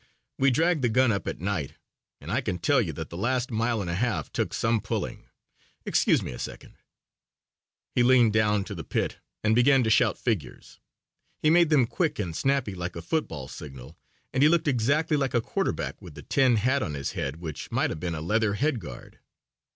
We dragged the gun up at night and I can tell you that the last mile and a half took some pulling. Excuse me a second " He leaned down to the pit and began to shout figures. He made them quick and snappy like a football signal and he looked exactly like a quarterback with the tin hat on his head which might have been a leather head guard.